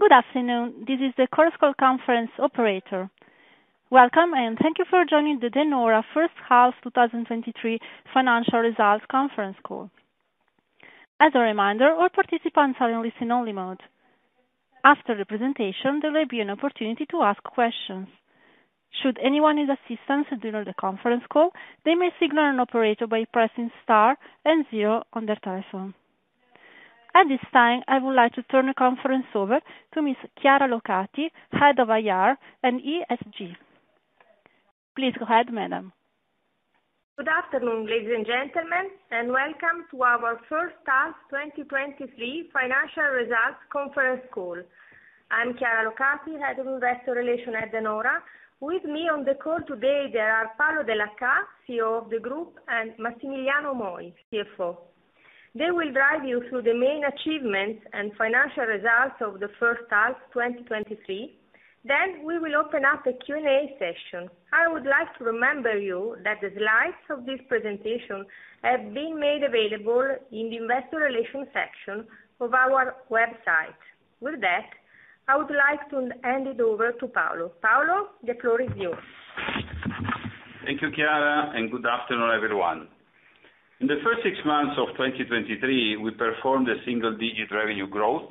Good afternoon, this is the Chorus Call Conference Operator. Welcome, and thank you for joining the De Nora First Half, 2023 Financial Results Conference Call. As a reminder, all participants are in listen-only mode. After the presentation, there will be an opportunity to ask questions. Should anyone need assistance during the conference call, they may signal an Operator by pressing star and zero on their telephone. At this time, I would like to turn the conference over to Ms. Chiara Locati, Head of IR and ESG. Please go ahead, madam. Good afternoon, ladies and gentlemen, and welcome to our first half 2023 financial results conference call. I'm Chiara Locati, Head of Investor Relations at De Nora. With me on the call today are Paolo Dellachà, CEO of the group, and Massimiliano Moi, CFO. They will drive you through the main achievements and financial results of the first half, 2023. We will open up a Q&A session. I would like to remember you that the slides of this presentation have been made available in the Investor Relations section of our website. With that, I would like to hand it over to Paolo. Paolo, the floor is yours. Thank you, Chiara. Good afternoon, everyone. In the first six months of 2023, we performed a single-digit revenue growth,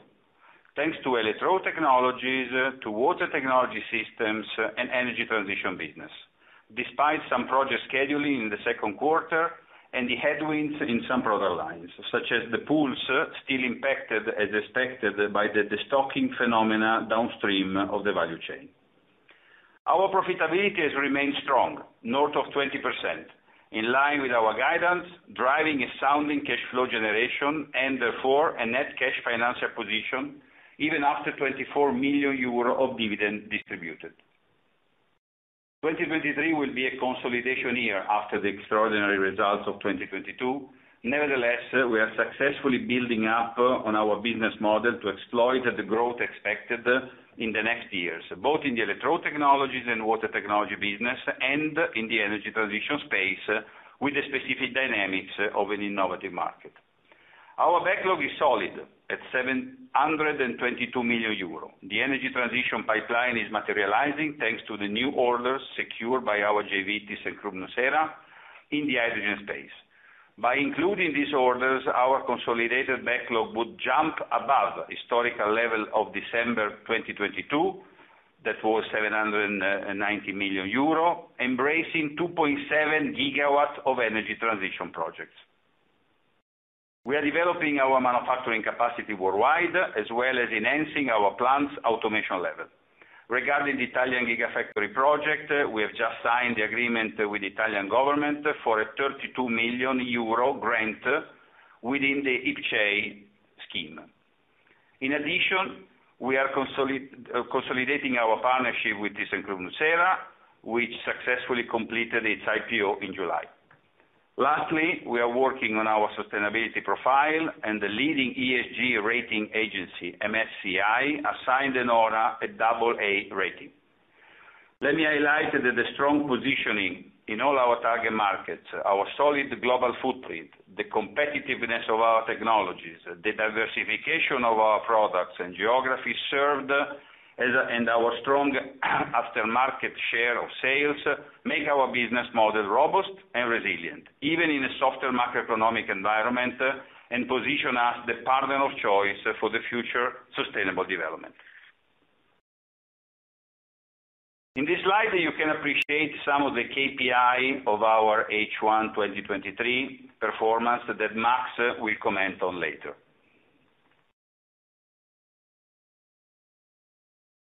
thanks to Electrode Technologies, to Water Technology systems, and Energy Transition business. Despite some project scheduling in the second quarter and the headwinds in some product lines, such as the pools, still impacted, as expected, by the destocking phenomena downstream of the value chain. Our profitability has remained strong, north of 20%, in line with our guidance, driving a sounding cash flow generation and therefore a net cash financial position, even after 24 million euro of dividend distributed. 2023 will be a consolidation year after the extraordinary results of 2022. Nevertheless, we are successfully building up on our business model to exploit the growth expected in the next years, both in the Electrode technologies and Water Technology business, and in the Energy Transition space, with the specific dynamics of an innovative market. Our backlog is solid at 722 million euro. The Energy Transition pipeline is materializing thanks to the new orders secured by our JV, thyssenkrupp nucera, in the hydrogen space. By including these orders, our consolidated backlog would jump above historical level of December 2022, that was 790 million euro, embracing 2.7 GW of Energy Transition projects. We are developing our manufacturing capacity worldwide, as well as enhancing our plants' automation level. Regarding the Italian Gigafactory project, we have just signed the agreement with the Italian government for a 32 million euro grant within the IPCEI scheme. In addition, we are consolidating our partnership with thyssenkrupp nucera, which successfully completed its IPO in July. Lastly, we are working on our sustainability profile and the leading ESG rating agency, MSCI, assigned De Nora an AA rating. Let me highlight that the strong positioning in all our target markets, our solid global footprint, the competitiveness of our technologies, the diversification of our products and geographies served, and our strong aftermarket share of sales, make our business model robust and resilient, even in a softer macroeconomic environment, and position us the partner of choice for the future sustainable development. In this slide, you can appreciate some of the KPI of our H1 2023 performance that Max will comment on later.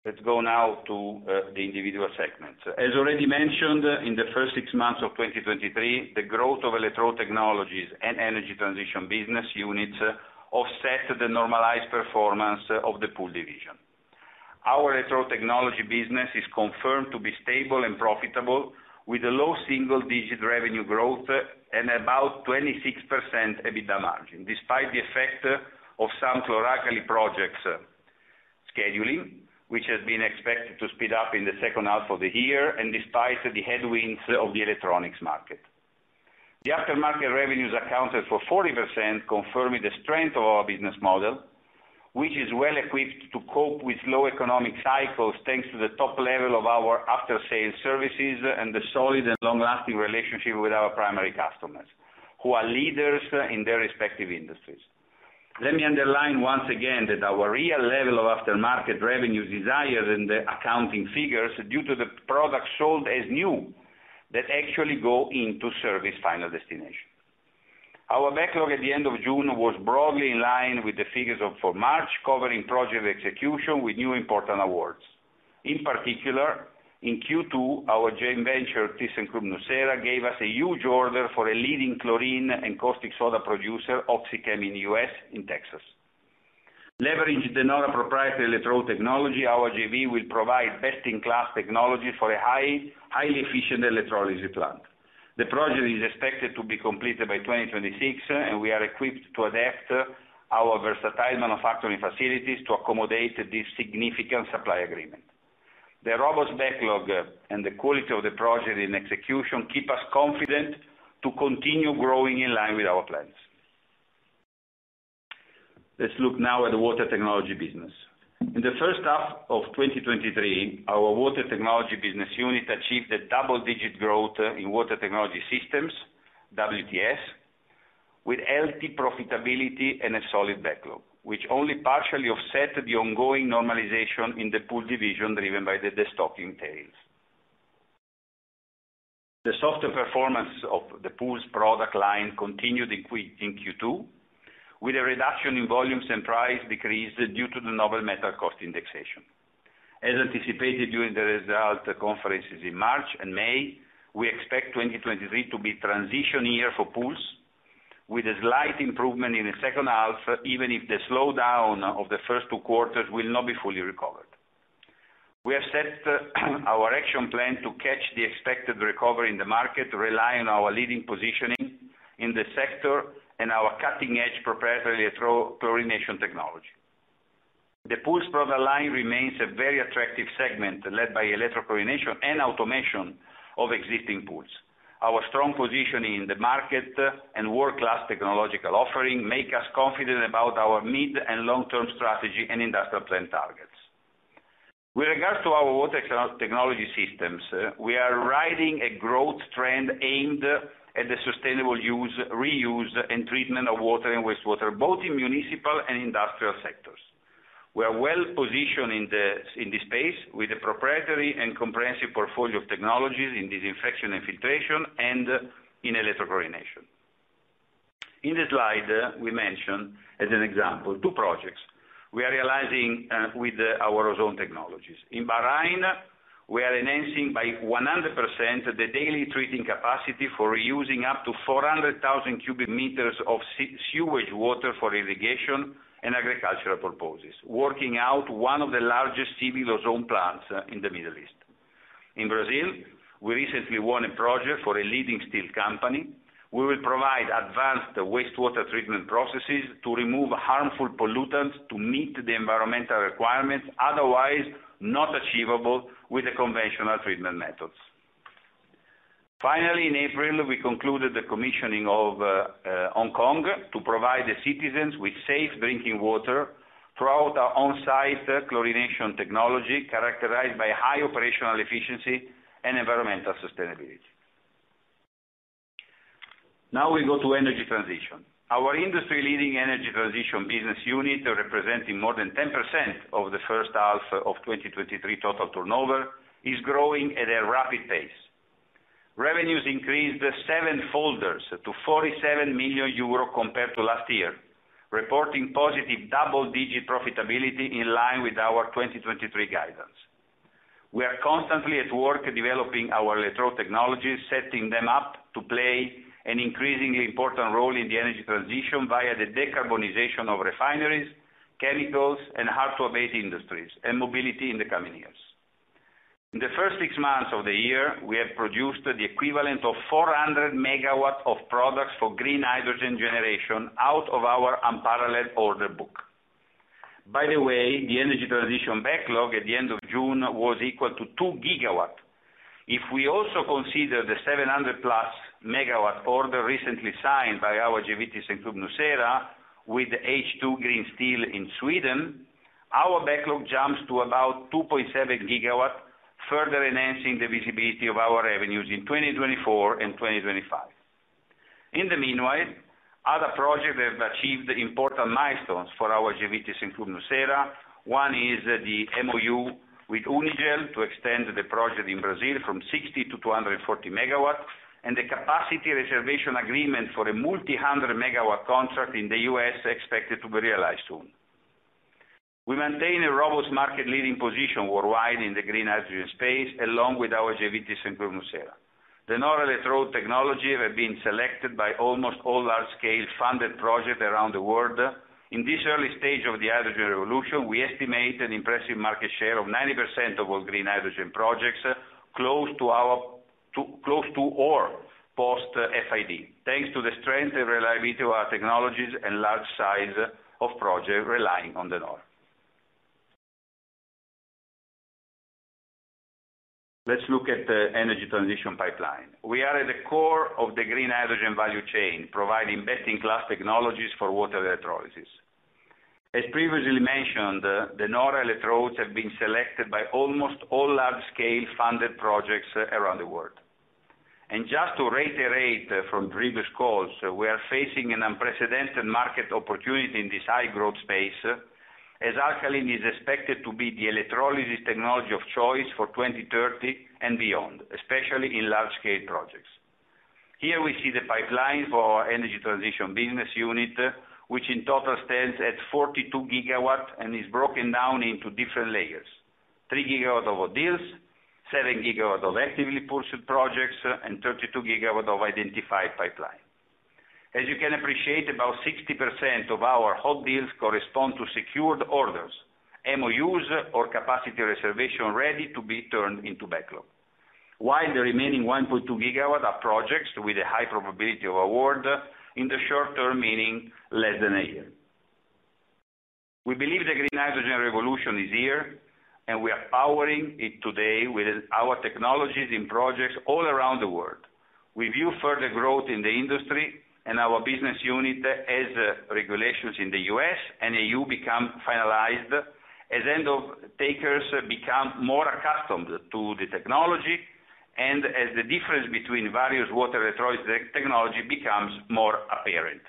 Let's go now to the individual segments. As already mentioned, in the first six months of 2023, the growth of Electrode Technologies and Energy Transition business units offset the normalized performance of the pool division. Our Electrode Technology business is confirmed to be stable and profitable, with a low single-digit revenue growth and about 26% EBITDA margin, despite the effect of some chlor-alkali projects scheduling, which has been expected to speed up in the second half of the year, and despite the headwinds of the electronics market. The aftermarket revenues accounted for 40%, confirming the strength of our business model, which is well equipped to cope with low economic cycles, thanks to the top level of our after-sale services and the solid and long-lasting relationship with our primary customers, who are leaders in their respective industries. Let me underline once again that our real level of aftermarket revenue is higher than the accounting figures, due to the products sold as new, that actually go into service final destination. Our backlog at the end of June was broadly in line with the figures of, for March, covering project execution with new important awards. In particular, in Q2, our joint venture, thyssenkrupp nucera, gave us a huge order for a leading chlorine and caustic soda producer, OxyChem, in the U.S., in Texas. Leveraging the non-proprietary electrode technology, our JV will provide best-in-class technology for a highly efficient electrolysis plant. The project is expected to be completed by 2026. We are equipped to adapt our versatile manufacturing facilities to accommodate this significant supply agreement. The robust backlog and the quality of the project in execution keep us confident to continue growing in line with our plans. Let's look now at the Water Technology business. In the first half of 2023, our Water Technology business unit achieved a double-digit growth in Water Technology systems, WTS, with healthy profitability and a solid backlog, which only partially offset the ongoing normalization in the pool division, driven by the destocking tails. The softer performance of the pools product line continued in Q2, with a reduction in volumes and price decrease due to the noble metal cost indexation. As anticipated during the result conferences in March and May, we expect 2023 to be transition year for pools, with a slight improvement in the second half, even if the slowdown of the first two quarters will not be fully recovered. We have set our action plan to catch the expected recovery in the market, rely on our leading positioning in the sector, and our cutting-edge proprietary electrochlorination technology. The pools product line remains a very attractive segment, led by electrochlorination and automation of existing pools. Our strong position in the market and world-class technological offering make us confident about our mid and long-term strategy and industrial plan targets. With regards to our Water Technology Systems, we are riding a growth trend aimed at the sustainable use, reuse, and treatment of water and wastewater, both in municipal and industrial sectors. We are well positioned in this space with a proprietary and comprehensive portfolio of technologies in disinfection and filtration and in electrochlorination. In the slide, we mentioned, as an example, two projects we are realizing with our ozone technologies. In Bahrain, we are enhancing by 100% the daily treating capacity for reusing up to 400,000 cu m of sewage water for irrigation and agricultural purposes, working out one of the largest civil ozone plants in the Middle East. In Brazil, we recently won a project for a leading steel company. We will provide advanced wastewater treatment processes to remove harmful pollutants to meet the environmental requirements, otherwise not achievable with the conventional treatment methods. Finally, in April, we concluded the commissioning of Hong Kong to provide the citizens with safe drinking water throughout our on-site chlorination technology, characterized by high operational efficiency and environmental sustainability. Now we go to Energy Transition. Our industry-leading Energy Transition business unit, representing more than 10% of the first half of 2023 total turnover, is growing at a rapid pace. Revenues increased sevenfold to 47 million euro compared to last year, reporting positive double-digit profitability in line with our 2023 guidance. We are constantly at work developing our Electrode Technologies, setting them up to play an increasingly important role in the Energy Transition via the decarbonization of refineries, chemicals, and hard-to-abate industries, and mobility in the coming years. In the first six months of the year, we have produced the equivalent of 400 MW of products for green hydrogen generation out of our unparalleled order book. By the way, the Energy Transition backlog at the end of June was equal to 2 GW. If we also consider the 700+ MW order recently signed by our joint venture with nucera, with H2 Green Steel in Sweden, our backlog jumps to about 2.7 GW, further enhancing the visibility of our revenues in 2024 and 2025. In the meanwhile, other projects have achieved important milestones for our joint venture with nucera. One is the MOU with Unigel to extend the project in Brazil from 60 MW-240 MW, and the capacity reservation agreement for a multi-hundred megawatt contract in the U.S., expected to be realized soon. We maintain a robust market leading position worldwide in the green hydrogen space, along with our joint venture with nucera. De Nora Electrode Technology have been selected by almost all large-scale funded projects around the world. In this early stage of the hydrogen revolution, we estimate an impressive market share of 90% of all green hydrogen projects, close to our, close to or post FID, thanks to the strength and reliability of our technologies and large size of project relying on De Nora. Let's look at the Energy Transition pipeline. We are at the core of the green hydrogen value chain, providing best-in-class technologies for water electrolysis. As previously mentioned, De Nora electrodes have been selected by almost all large-scale funded projects around the world. Just to reiterate from previous calls, we are facing an unprecedented market opportunity in this high-growth space, as alkaline is expected to be the electrolysis technology of choice for 2030 and beyond, especially in large-scale projects. Here we see the pipeline for our Energy Transition business unit, which in total stands at 42 GW and is broken down into different layers: 3 GW of deals, 7 GW of actively pursued projects, and 32 GW of identified pipeline. As you can appreciate, about 60% of our whole deals correspond to secured orders, MOUs or capacity reservation ready to be turned into backlog. While the remaining 1.2 GW are projects with a high probability of award in the short term, meaning less than a year. We believe the green hydrogen revolution is here, and we are powering it today with our technologies in projects all around the world. We view further growth in the industry and our business unit as regulations in the U.S. and EU become finalized, as end, off-takers become more accustomed to the technology, and as the difference between various water electrolysis technology becomes more apparent.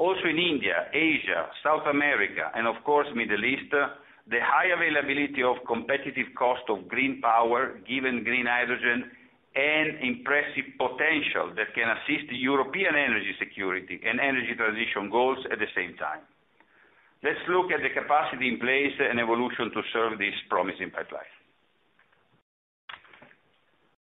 In India, Asia, South America, and of course, Middle East, the high availability of competitive cost of green power, given green hydrogen, and impressive potential that can assist European energy security and Energy Transition goals at the same time. Let's look at the capacity in place and evolution to serve this promising pipeline.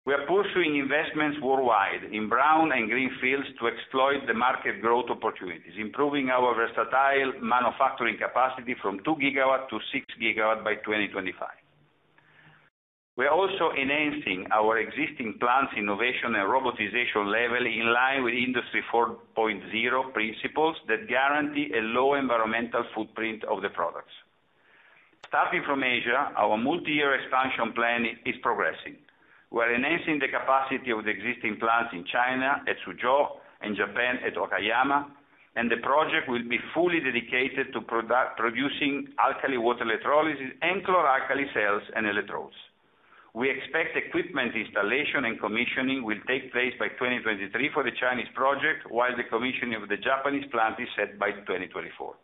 We are pursuing investments worldwide in brown and green fields to exploit the market growth opportunities, improving our versatile manufacturing capacity from 2 GW-6 GW by 2025. We are also enhancing our existing plants innovation and robotization level in line with Industry 4.0 principles that guarantee a low environmental footprint of the products. Starting from Asia, our multi-year expansion plan is progressing. We're enhancing the capacity of the existing plants in China, at Suzhou, and Japan at Okayama, and the project will be fully dedicated to producing alkaline water electrolysis and chlor-alkali cells and electrodes. We expect equipment installation and commissioning will take place by 2023 for the Chinese project, while the commissioning of the Japanese plant is set by 2024.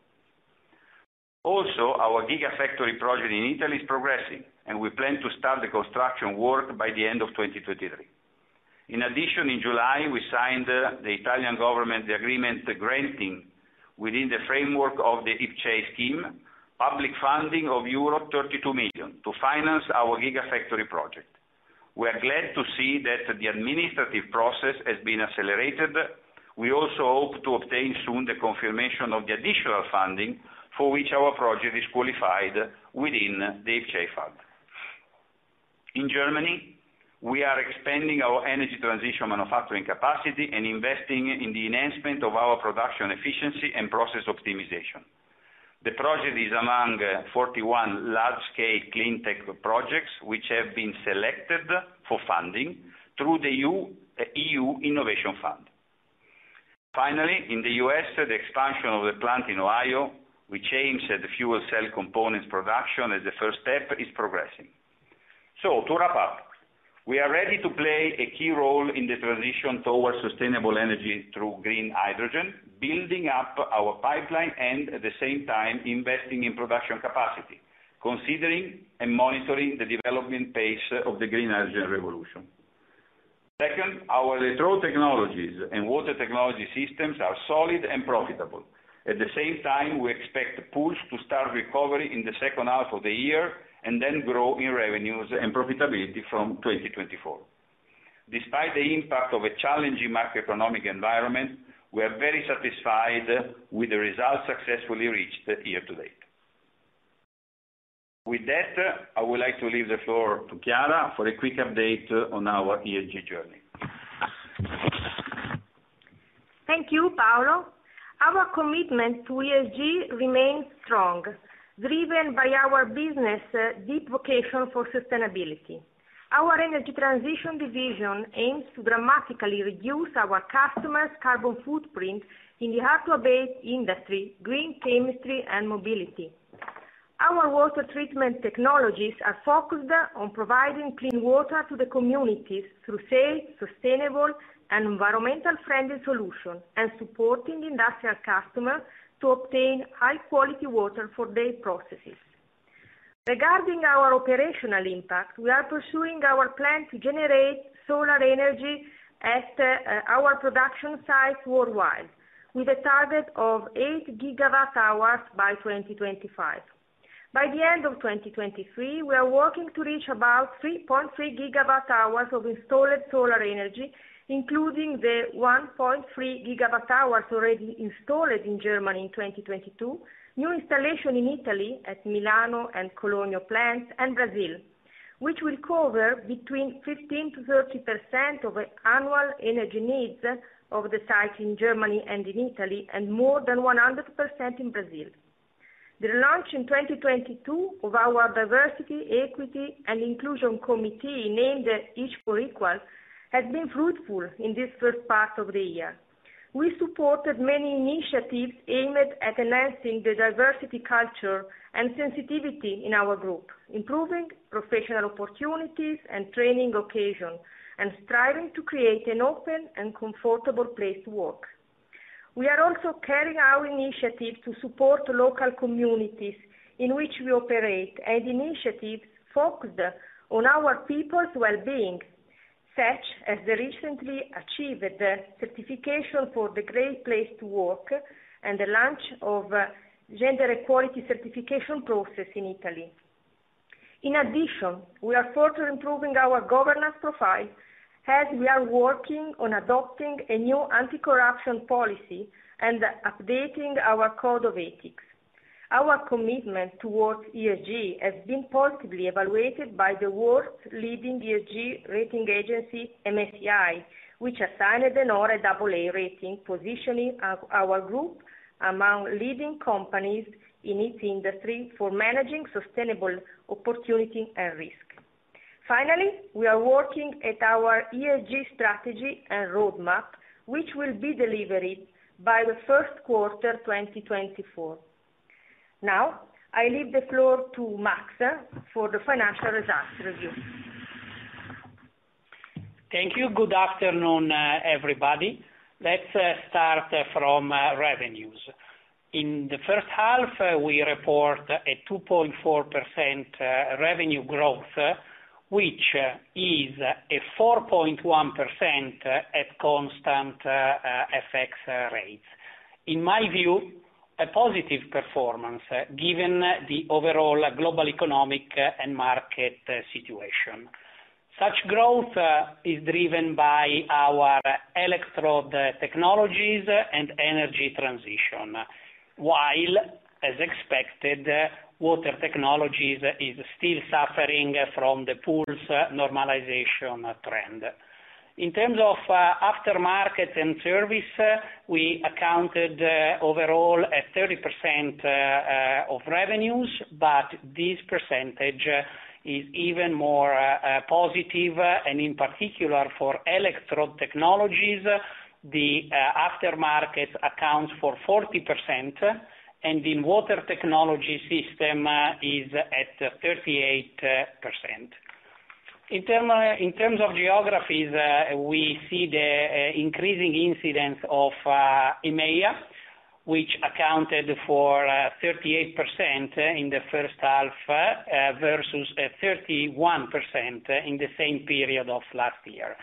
Our gigafactory project in Italy is progressing, and we plan to start the construction work by the end of 2023. In addition, in July, we signed the Italian government, the agreement, the granting within the framework of the IPCEI scheme, public funding of euro 32 million to finance our gigafactory project. We are glad to see that the administrative process has been accelerated. We also hope to obtain soon the confirmation of the additional funding for which our project is qualified within the IPCEI fund. In Germany, we are expanding our Energy Transition manufacturing capacity and investing in the enhancement of our production efficiency and process optimization. The project is among 41 large-scale clean tech projects, which have been selected for funding through the EU Innovation Fund. Finally, in the US, the expansion of the plant in Ohio, we changed the fuel cell components production as the first step is progressing. To wrap up, we are ready to play a key role in the transition towards sustainable energy through green hydrogen, building up our pipeline and at the same time investing in production capacity, considering and monitoring the development pace of the green hydrogen revolution. Second, our Electrode Technologies and Water Technology systems are solid and profitable. At the same time, we expect pools to start recovery in the second half of the year, and then grow in revenues and profitability from 2024. Despite the impact of a challenging macroeconomic environment, we are very satisfied with the results successfully reached year to date. With that, I would like to leave the floor to Chiara for a quick update on our ESG journey. Thank you, Paolo. Our commitment to ESG remains strong, driven by our business deep vocation for sustainability. Our Energy Transition division aims to dramatically reduce our customers' carbon footprint in the hard-to-abate industry, green chemistry and mobility. Our water treatment technologies are focused on providing clean water to the communities through safe, sustainable, and environmental-friendly solution, and supporting industrial customers to obtain high quality water for their processes. Regarding our operational impact, we are pursuing our plan to generate solar energy at our production sites worldwide, with a target of 8 GWh by 2025. By the end of 2023, we are working to reach about 3.3 GWh of installed solar energy, including the 1.3 GWh already installed in Germany in 2022, new installation in Italy, at Milano and [Colonia plants] and Brazil, which will cover between 15%-30% of the annual energy needs of the site in Germany and in Italy, and more than 100% in Brazil. The launch in 2022 of our diversity, equity, and inclusion committee, named Each for Equal, has been fruitful in this first part of the year. We supported many initiatives aimed at enhancing the diversity culture and sensitivity in our group, improving professional opportunities and training occasions, and striving to create an open and comfortable place to work. We are also carrying our initiative to support local communities in which we operate, and initiatives focused on our people's well-being, such as the recently achieved certification for the Great Place to Work and the launch of gender equality certification process in Italy. In addition, we are further improving our governance profile, as we are working on adopting a new anti-corruption policy and updating our code of ethics. Our commitment towards ESG has been positively evaluated by the world's leading ESG rating agency, MSCI, which assigned an honor a AA rating, positioning our group among leading companies in each industry for managing sustainable opportunity and risk. Finally, we are working at our ESG strategy and roadmap, which will be delivered by the first quarter, 2024. Now, I leave the floor to Max for the financial results review. Thank you. Good afternoon, everybody. Let's start from revenues. In the first half, we report a 2.4% revenue growth, which is a 4.1% at constant FX rates. In my view, a positive performance, given the overall global economic and market situation. Such growth is driven by our Electrode Technologies and Energy Transition, while, as expected, Water Technologies is still suffering from the pools normalization trend. In terms of aftermarket and service, we accounted overall at 30% of revenues, but this percentage is even more positive, and in particular for Electrode Technologies, the aftermarket accounts for 40%, and in Water Technology system is at 38%. In terms of geographies, we see the increasing incidence of EMEA, which accounted for 38% in the first half versus a 31% in the same period of last year.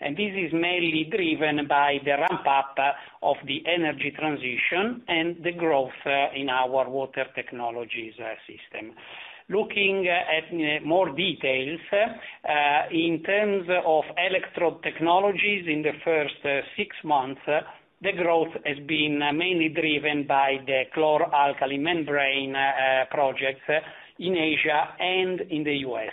This is mainly driven by the ramp up of the Energy Transition and the growth in our Water Technology systems. Looking at more details, in terms of Electrode Technologies in the first six months, the growth has been mainly driven by the chlor-alkali membrane projects in Asia and in the US.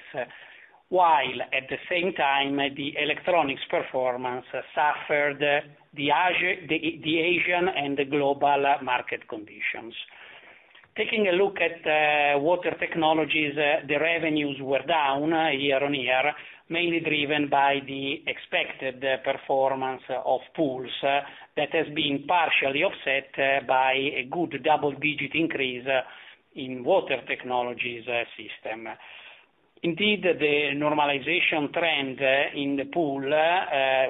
While at the same time, the electronics performance suffered the Asian and the global market conditions. Taking a look at Water Technologies, the revenues were down year-on-year, mainly driven by the expected performance of pools, that has been partially offset by a good double-digit increase in Water Technology systems. Indeed, the normalization trend in the pool,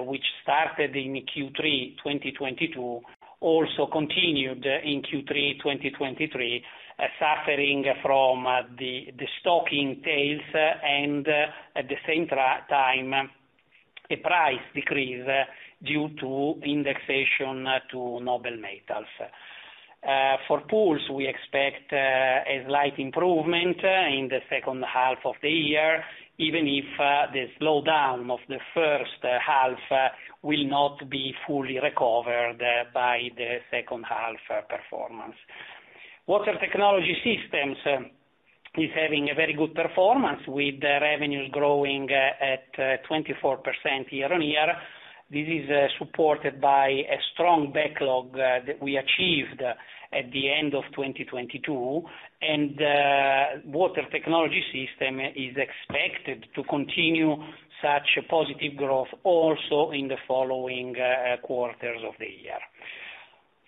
which started in Q3 2022, also continued in Q3 2023, suffering from the stock entails, and at the same time, a price decrease due to indexation to noble metals. For pools, we expect a slight improvement in the second half of the year, even if the slowdown of the first half will not be fully recovered by the second half performance. Water Technology systems is having a very good performance, with the revenues growing at 24% year-on-year. This is supported by a strong backlog that we achieved at the end of 2022, and Water Technology System is expected to continue such a positive growth also in the following quarters of the year.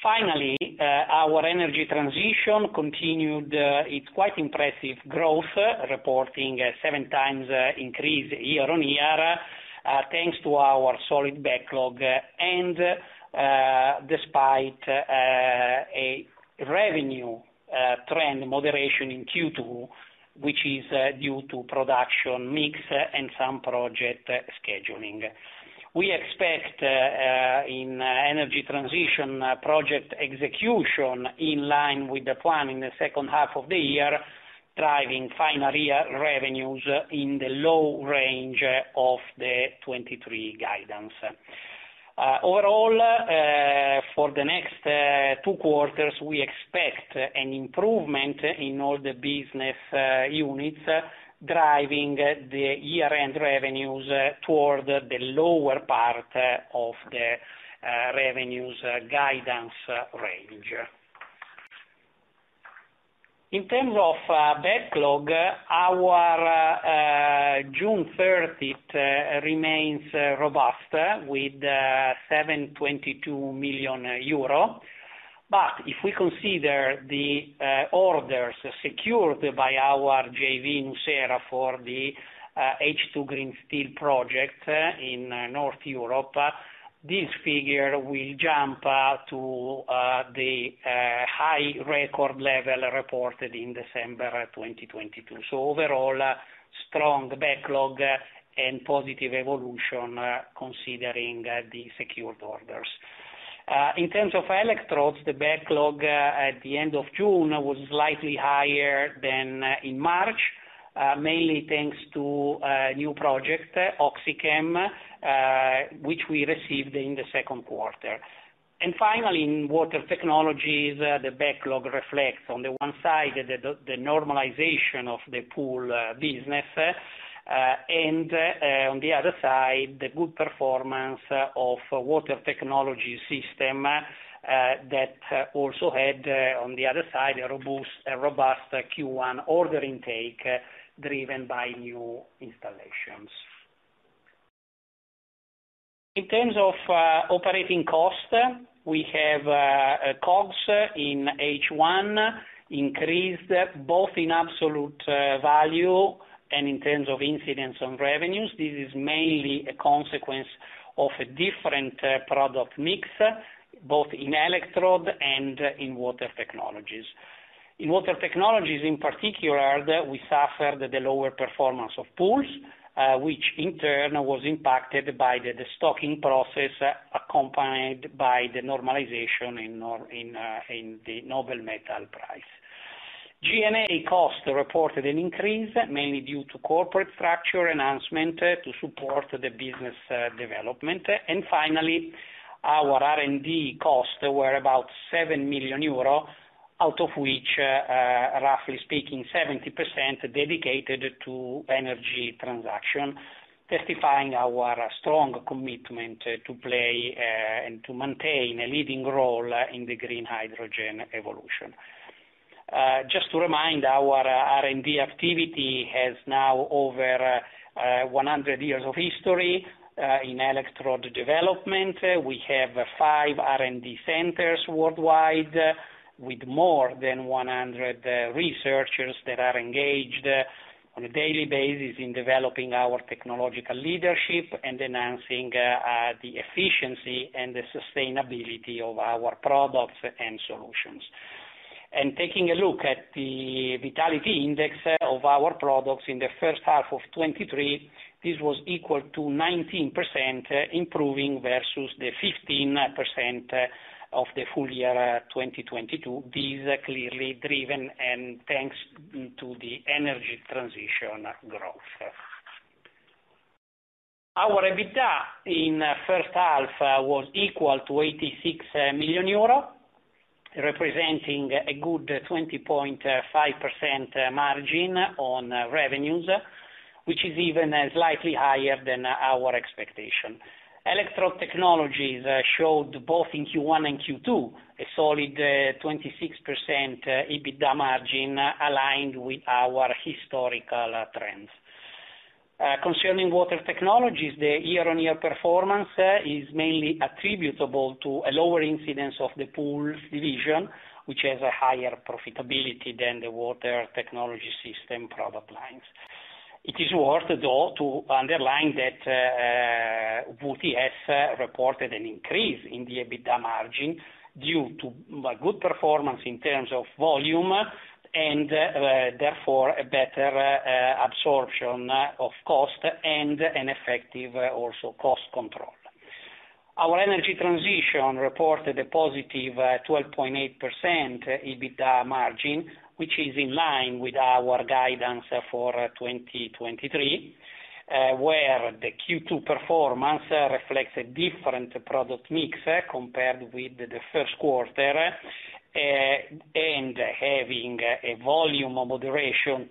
Finally, our Energy Transition continued its quite impressive growth, reporting a 7x increase year-on-year, thanks to our solid backlog, and despite a revenue trend moderation in Q2, which is due to production mix and some project scheduling. We expect in Energy Transition project execution in line with the plan in the second half of the year, driving final year revenues in the low range of the 2023 guidance. Overall, for the next two quarters, we expect an improvement in all the business units, driving the year-end revenues toward the lower part of the revenues guidance range. In terms of backlog, our June 30th remains robust with 722 million euro. If we consider the orders secured by our JV, nucera, for the H2 Green Steel project in North Europe, this figure will jump to the high record level reported in December 2022. Overall, strong backlog and positive evolution, considering the secured orders. In terms of electrodes, the backlog at the end of June was slightly higher than in March. Mainly thanks to new project, OxyChem, which we received in the second quarter. Finally, in Water Technologies, the backlog reflects on the one side, the, the, the normalization of the pool business, and on the other side, the good performance of Water Technology System, that also had on the other side, a robust, a robust Q1 order intake, driven by new installations. In terms of operating cost, we have a COGS in H1, increased both in absolute value and in terms of incidence on revenues. This is mainly a consequence of a different product mix, both in electrode and in Water Technologies. In Water Technologies, in particular, we suffered the lower performance of pools, which in turn was impacted by the destocking process, accompanied by the normalization in the noble metal price. G&A costs reported an increase, mainly due to corporate structure enhancement, to support the business development. Finally, our R&D costs were about 7 million euro, out of which, roughly speaking, 70% dedicated to Energy Transition, testifying our strong commitment to play and to maintain a leading role in the green hydrogen evolution. Just to remind, our R&D activity has now over 100 years of history in electrode development. We have five R&D centers worldwide, with more than 100 researchers that are engaged on a daily basis in developing our technological leadership and enhancing the efficiency and the sustainability of our products and solutions. Taking a look at the vitality index of our products in the first half of 2023, this was equal to 19%, improving versus the 15% of the full year 2022. These are clearly driven and thanks to the Energy Transition growth. Our EBITDA in first half was equal to 86 million euro, representing a good 20.5% margin on revenues, which is even slightly higher than our expectation. Electro technologies showed both in Q1 and Q2, a solid 26% EBITDA margin aligned with our historical trends. Concerning Water Technologies, the year-on-year performance is mainly attributable to a lower incidence of the pools division, which has a higher profitability than the Water Technology system product lines. It is worth, though, to underline that WTS reported an increase in the EBITDA margin due to a good performance in terms of volume, and, therefore, a better absorption of cost and an effective, also, cost control. Our Energy Transition reported a positive 12.8% EBITDA margin, which is in line with our guidance for 2023, where the Q2 performance reflects a different product mix compared with the first quarter, and having a volume of moderation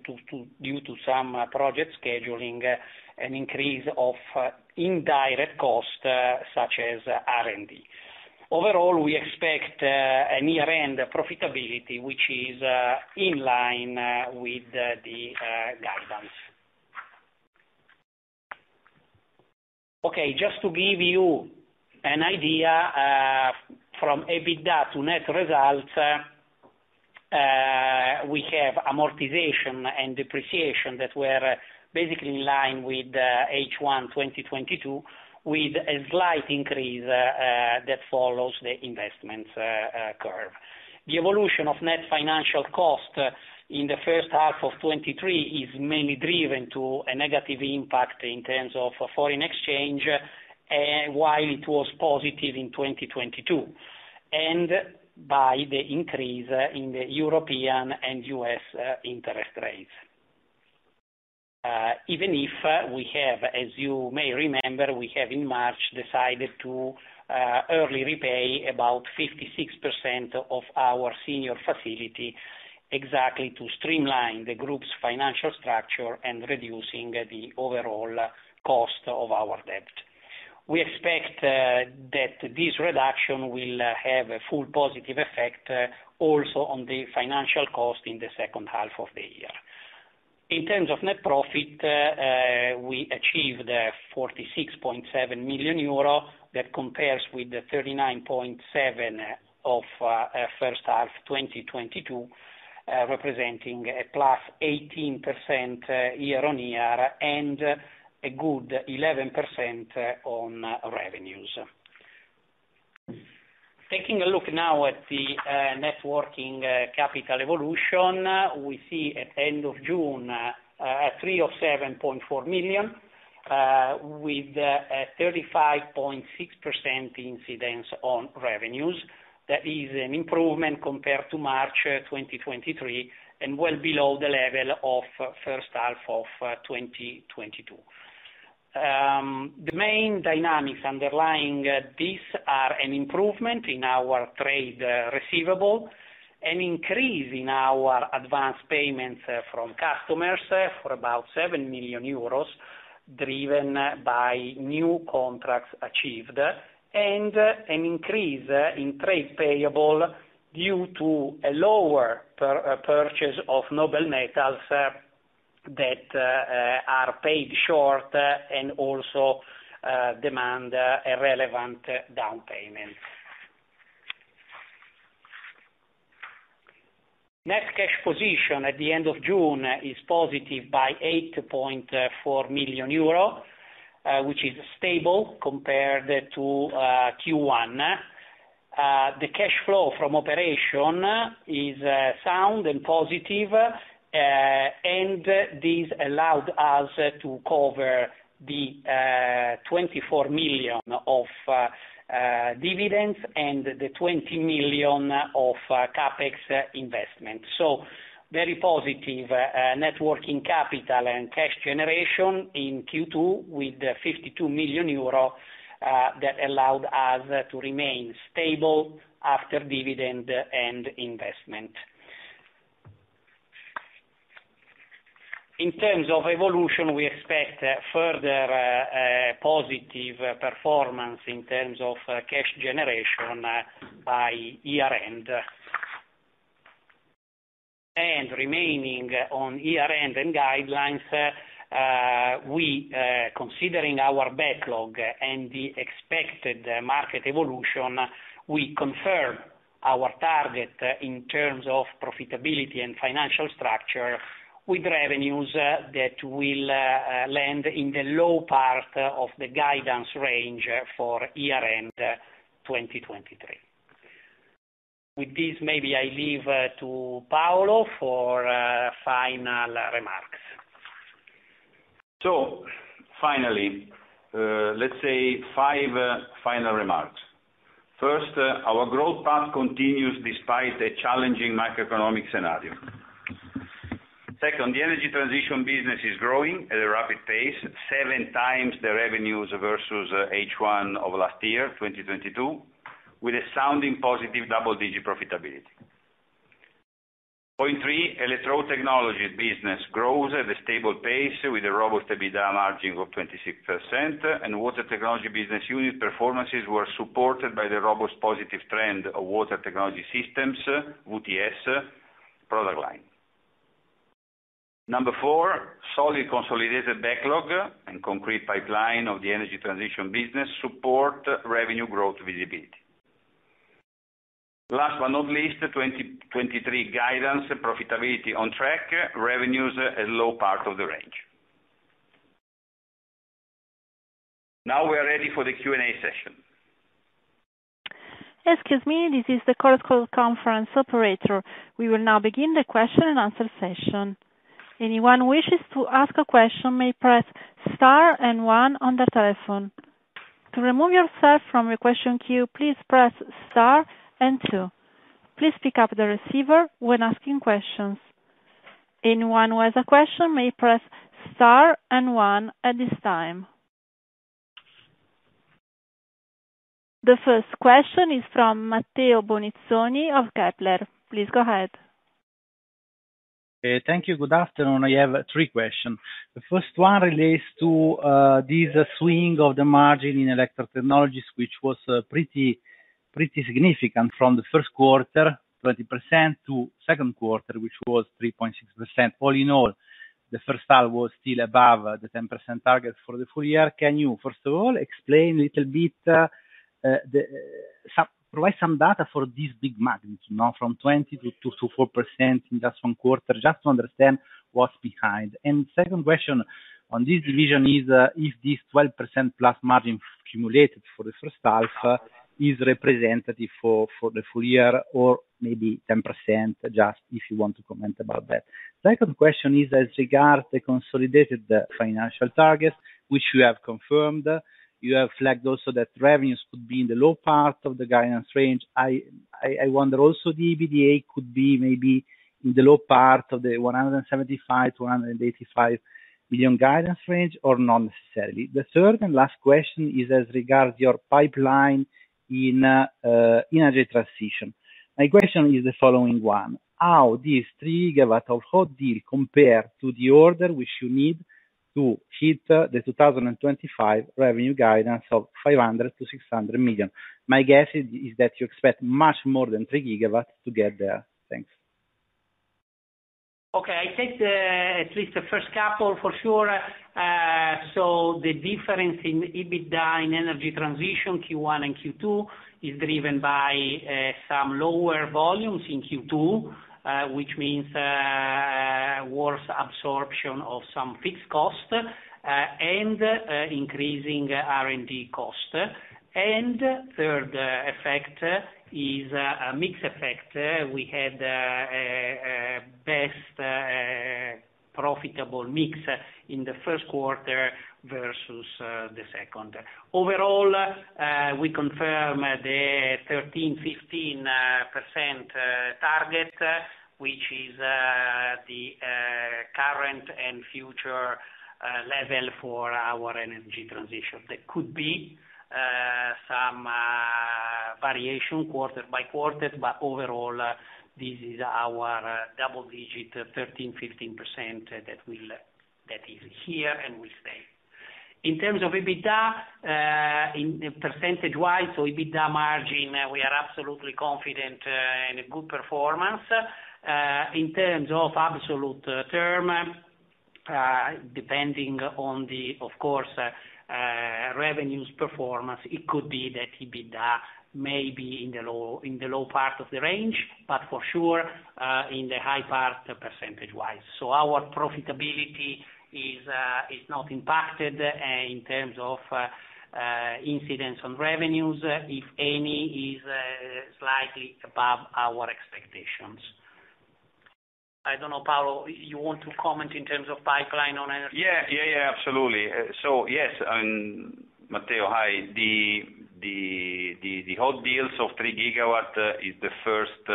due to some project scheduling, an increase of indirect costs, such as R&D. Overall, we expect an year-end profitability, which is in line with the guidance. Okay, just to give you an idea, from EBITDA to net results, we have amortization and depreciation that were basically in line with H1 2022, with a slight increase that follows the investment curve. The evolution of net financial cost in the first half of 2023 is mainly driven to a negative impact in terms of foreign exchange, and while it was positive in 2022, and by the increase in the European and U.S. interest rates. Even if we have, as you may remember, we have in March, decided to early repay about 56% of our senior facility, exactly to streamline the group's financial structure and reducing the overall cost of our debt. We expect that this reduction will have a full positive effect also on the financial cost in the second half of the year. In terms of net profit, we achieved 46.7 million euro. That compares with 39.7 million of first half 2022, representing a +18% year-on-year, and a good 11% on revenues. Taking a look now at the networking capital evolution, we see at end of June 307.4 million, with a 35.6% incidence on revenues. That is an improvement compared to March 2023, and well below the level of first half of 2022. The main dynamics underlying this are an improvement in our trade receivable, an increase in our advanced payments from customers for about 7 million euros, driven by new contracts achieved, and an increase in trade payable due to a lower purchase of noble metals that are paid short and also demand a relevant down payment. Net cash position at the end of June is positive by 8.4 million euro, which is stable compared to Q1. The cash flow from operation is sound and positive and this allowed us to cover the 24 million of dividends and the 20 million of CapEx investment. Very positive networking capital and cash generation in Q2 with 52 million euro that allowed us to remain stable after dividend and investment. In terms of evolution, we expect further positive performance in terms of cash generation by year-end. Remaining on year-end and guidelines, we, considering our backlog and the expected market evolution, we confirm our target in terms of profitability and financial structure, with revenues that will land in the low part of the guidance range for year-end 2023. With this, maybe I leave to Paolo for final remarks. Finally, let's say five final remarks. First, our growth path continues despite the challenging macroeconomic scenario. Second, the Energy Transition business is growing at a rapid pace, 7x the revenues versus H1 of last year, 2022, with a sounding positive double-digit profitability. Point three, Electrode Technology business grows at a stable pace with a robust EBITDA margin of 26%, and Water Technology business unit performances were supported by the robust positive trend of Water Technology Systems, WTS, product line. Number four, solid consolidated backlog and concrete pipeline of the Energy Transition business support revenue growth visibility. Last but not least, 2023 guidance profitability on track, revenues at low part of the range. Now we are ready for the Q&A session. Excuse me, this is the conference operator. We will now begin the question-and-answer session. Anyone wishes to ask a question may press star and one on the telephone. To remove yourself from the question queue, please press star and two. Please pick up the receiver when asking questions. Anyone who has a question may press star and one at this time. The first question is from Matteo Bonizzoni of Kepler. Please go ahead. Thank you. Good afternoon. I have three questions. The first one relates to this swing of the margin in Electrode Technologies, which was pretty, pretty significant from the first quarter, 20%, to second quarter, which was 3.6%. All in all, the first half was still above the 10% target for the full year. Can you, first of all, explain a little bit, provide some data for this big magnitude, now, from 20% to 2% to 4% in just one quarter, just to understand what's behind? Second question on this division is, is this 12%+ margin accumulated for the first half, is representative for, for the full year, or maybe 10%, just if you want to comment about that. Second question is as regard the consolidated financial targets, which you have confirmed. You have flagged also that revenues could be in the low part of the guidance range. I, I, I wonder also, the EBITDA could be maybe in the low part of the 175 million-185 million guidance range, or not necessarily. The third and last question is as regard your pipeline in Energy Transition. My question is the following one: How this 3 GW of whole deal compare to the order which you need to hit the 2025 revenue guidance of 500 million-600 million? My guess is, is that you expect much more than 3 GW to get there. Thanks. Okay, I take the, at least the first couple for sure. So the difference in EBITDA in Energy Transition, Q1 and Q2, is driven by some lower volumes in Q2, which means worse absorption of some fixed cost, and increasing R&D cost. Third effect is a mix effect, we had best profitable mix in the first quarter versus the second. Overall, we confirm the 13%-15% target, which is the current and future level for our Energy Transition. There could be some variation quarter by quarter, but overall, this is our double digit 13%-15% that will, that is here and will stay. In terms of EBITDA, in percentage wise, so EBITDA margin, we are absolutely confident in a good performance. In terms of absolute term, depending on the, of course, revenues performance, it could be that EBITDA may be in the low, in the low part of the range, but for sure, in the high part, percentage wise. Our profitability is not impacted in terms of incidents on revenues, if any, is slightly above our expectations. I don't know, Paolo, you want to comment in terms of pipeline on energy? Yeah. Yeah, yeah, absolutely. Yes, Mateo, hi, the, the, the, the whole deals of 3 GW is the first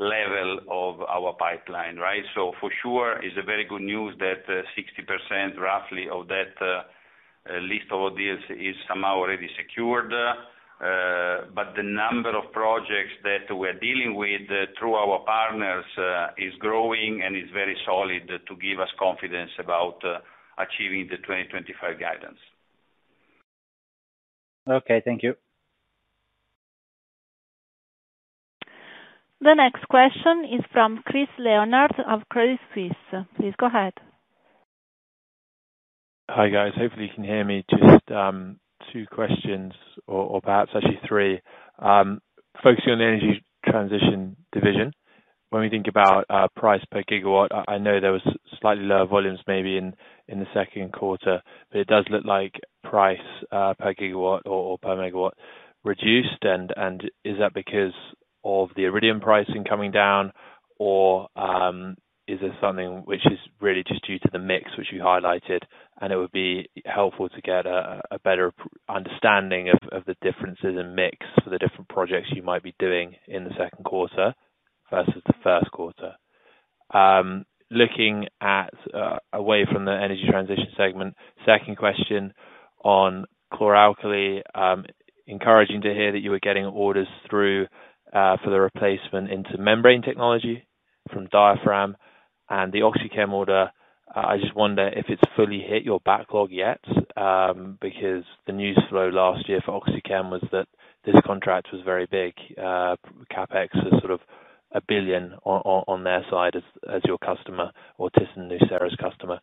level of our pipeline, right? For sure, it's a very good news that 60% roughly of that list of deals is somehow already secured, but the number of projects that we're dealing with, through our partners, is growing and is very solid to give us confidence about achieving the 2025 guidance. Okay, thank you. The next question is from Chris Leonard of Credit Suisse. Please go ahead. Hi, guys. Hopefully you can hear me. Just two questions, or perhaps actually three. Focusing on the Energy Transition division, when we think about price per gigawatt, I know there was slightly lower volumes maybe in the second quarter, but it does look like price per gigawatt or per megawatt reduced, and is that because of the iridium pricing coming down or is this something which is really just due to the mix which you highlighted? It would be helpful to get a better understanding of the differences in mix for the different projects you might be doing in the second quarter versus the first quarter. Looking at away from the Energy Transition segment, second question on chlor-alkali, encouraging to hear that you were getting orders through for the replacement into membrane technology from diaphragm and the OxyChem order. I just wonder if it's fully hit your backlog yet, because the news flow last year for OxyChem was that this contract was very big, CapEx was sort of $1 billion on, on, on their side as, as your customer or thyssenkrupp customer.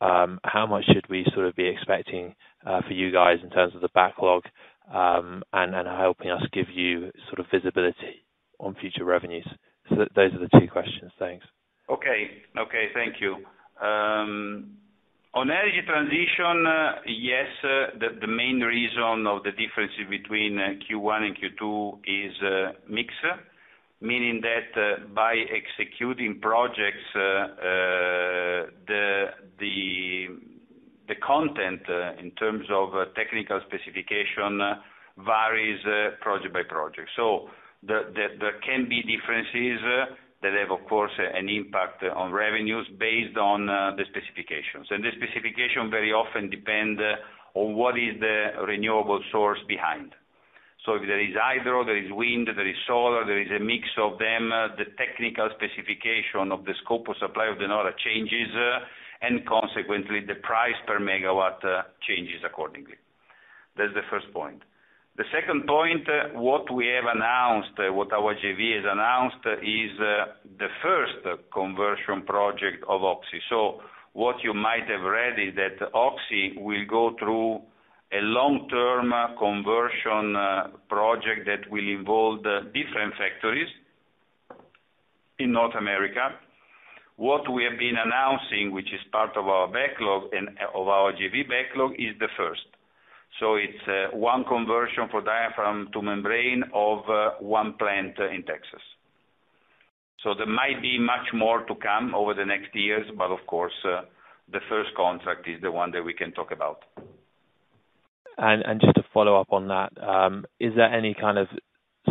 How much should we sort of be expecting for you guys in terms of the backlog, and helping us give you sort of visibility on future revenues? Those are the two questions. Thanks. Okay. Okay, thank you. On Energy Transition, yes, the, the main reason of the difference between Q1 and Q2 is mix, meaning that by executing projects, the, the, the content in terms of technical specification, varies project by project. The, the, there can be differences that have, of course, an impact on revenues based on the specifications. The specification very often depend on what is the renewable source behind. If there is hydro, there is wind, there is solar, there is a mix of them, the technical specification of the scope of supply of the order changes and consequently, the price per MW changes accordingly. That's the first point. The second point, what we have announced, what our JV has announced, is the first conversion project of Oxy. What you might have read is that Oxy will go through a long-term conversion project that will involve different factories in North America. What we have been announcing, which is part of our backlog and of our JV backlog, is the first. It's one conversion for diaphragm to membrane of one plant in Texas. There might be much more to come over the next years, but of course, the first contract is the one that we can talk about. Just to follow up on that, is there any kind of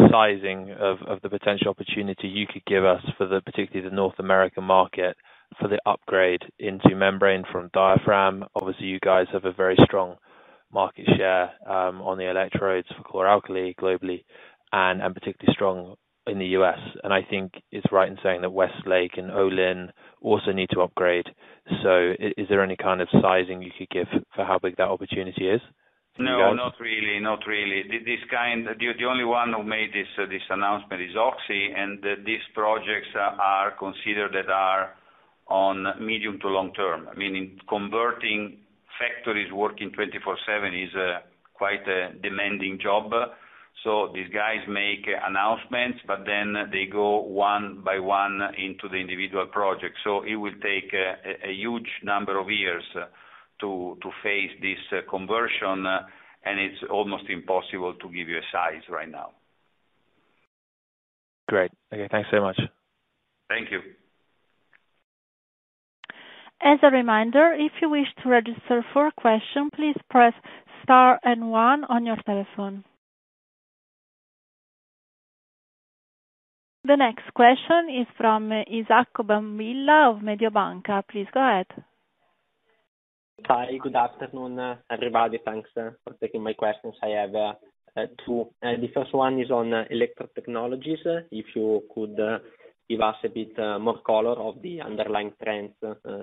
sizing of, of the potential opportunity you could give us for the, particularly the North American market, for the upgrade into membrane from diaphragm? Obviously, you guys have a very strong market share, on the electrodes for chlor-alkali globally and, and particularly strong in the US. I think it's right in saying that Westlake and Olin also need to upgrade. Is there any kind of sizing you could give for how big that opportunity is? No, not really, not really. The only one who made this, this announcement is Oxy. These projects are considered that are on medium to long term. Meaning converting factories working 24/7 is quite a demanding job. These guys make announcements, but then they go one by one into the individual projects. It will take a huge number of years to face this conversion, and it's almost impossible to give you a size right now. Great. Okay, thanks so much. Thank you. As a reminder, if you wish to register for a question, please press star and 1 on your telephone. The next question is from Isacco Brambilla of Mediobanca. Please go ahead. Hi, good afternoon, everybody. Thanks for taking my questions. I have two. The first one is on Electrode Technologies. If you could give us a bit more color of the underlying trends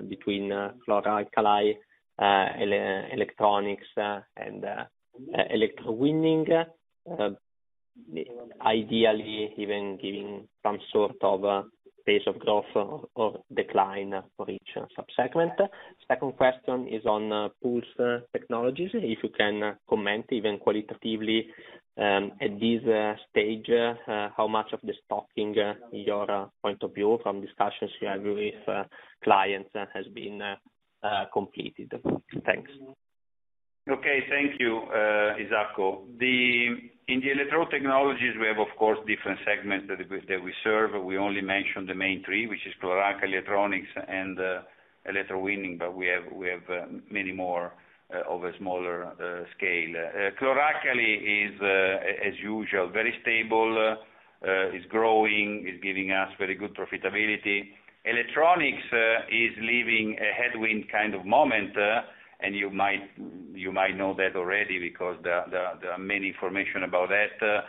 between chlor-alkali, electronics, and electrowinning. Ideally, even giving some sort of a pace of growth or decline for each sub-segment. Second question is on pools technologies. If you can comment even qualitatively, at this stage, how much of the stocking, in your point of view from discussions you have with clients, has been completed? Thanks. Okay. Thank you, Isacco. In the Electrode Technologies, we have, of course, different segments that we, that we serve. We only mentioned the main three, which is chlor-alkali, electronics, and electrowinning, we have, we have many more of a smaller scale. Chlor-alkali is, as usual, very stable, is growing, is giving us very good profitability. Electronics is leaving a headwind kind of moment, you might, you might know that already because the, the, the many information about that,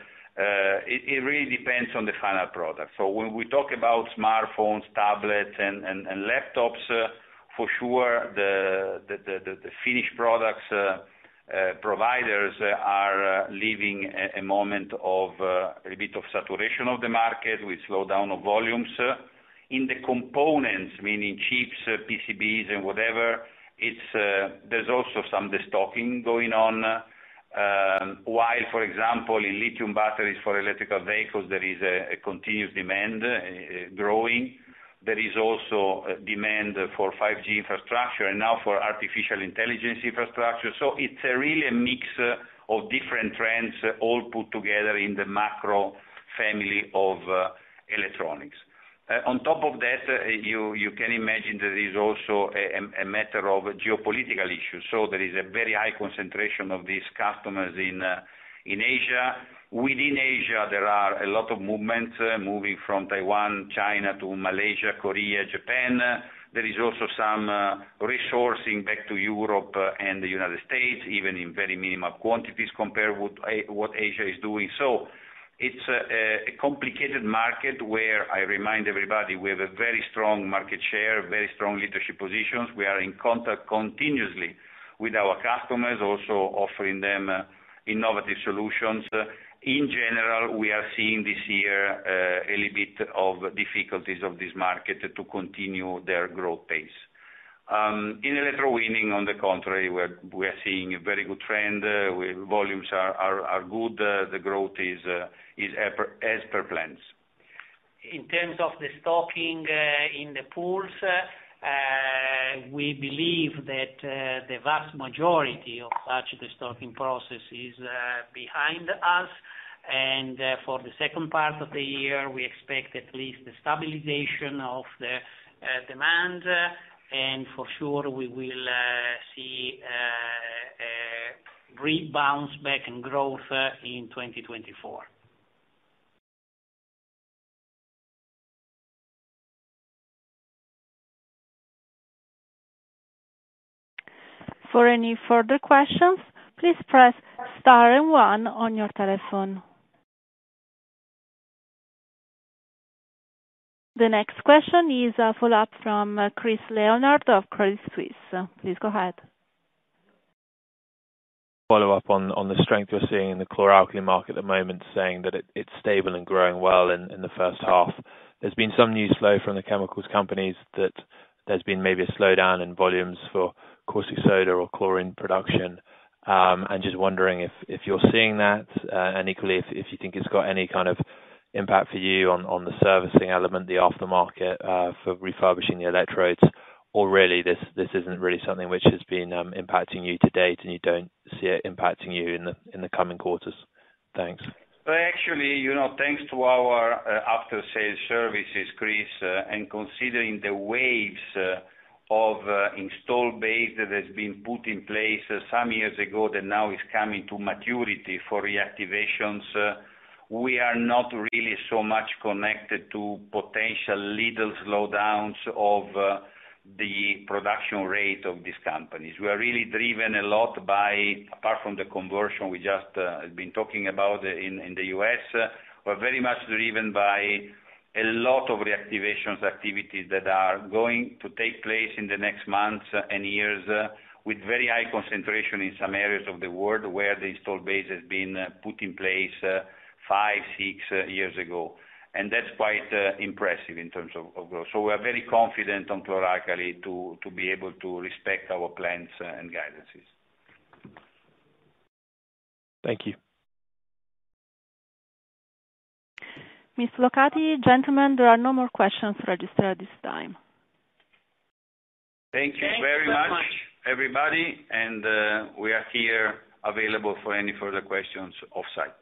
it, it really depends on the final product. When we talk about smartphones, tablets, and, and, and laptops, for sure, the, the, the, the finished products providers are leaving a moment of a bit of saturation of the market with slowdown of volumes. In the components, meaning chips, PCBs, and whatever, it's, there's also some destocking going on, while, for example, in lithium batteries for electrical vehicles, there is a, a continuous demand, growing. There is also a demand for 5G infrastructure, and now for artificial intelligence infrastructure. It's a really a mix of different trends all put together in the macro family of electronics. On top of that, you, you can imagine there is also a matter of geopolitical issues. There is a very high concentration of these customers in Asia. Within Asia, there are a lot of movement, moving from Taiwan, China to Malaysia, Korea, Japan. There is also some resourcing back to Europe and the United States, even in very minimal quantities compared with what Asia is doing. It's a complicated market where I remind everybody, we have a very strong market share, very strong leadership positions. We are in contact continuously with our customers, also offering them innovative solutions. In general, we are seeing this year a little bit of difficulties of this market to continue their growth pace. In electrowinning, on the contrary, we are seeing a very good trend, where volumes are good, the growth is as per plans. In terms of the stocking in the pools, we believe that the vast majority of actual stocking process is behind us. For the second part of the year, we expect at least the stabilization of the demand, and for sure, we will see a rebalance back in growth in 2024. For any further questions, please press star and one on your telephone. The next question is a follow-up from Chris Leonard of Credit Suisse. Please go ahead. Follow up on, on the strength you're seeing in the chlor-alkali market at the moment, saying that it, it's stable and growing well in, in the first half. There's been some news flow from the chemicals companies that there's been maybe a slowdown in volumes for caustic soda or chlorine production. I'm just wondering if, if you're seeing that, and equally, if, if you think it's got any kind of impact for you on, on the servicing element, the aftermarket, for refurbishing the electrodes, or really, this, this isn't really something which has been impacting you to date, and you don't see it impacting you in the, in the coming quarters? Thanks. Actually, you know, thanks to our after-sales services, Chris, and considering the waves of install base that has been put in place some years ago, that now is coming to maturity for reactivations, we are not really so much connected to potential little slowdowns of the production rate of these companies. We are really driven a lot by, apart from the conversion we just have been talking about in the U.S., we're very much driven by a lot of reactivations activities that are going to take place in the next months and years, with very high concentration in some areas of the world where the install base has been put in place five, six years ago. That's quite impressive in terms of growth. We are very confident on chlor-alkali to, to be able to respect our plans and guidances. Thank you. Miss Locati, gentlemen, there are no more questions registered at this time. Thank you very much, everybody. Thank you very much. We are here available for any further questions off-site.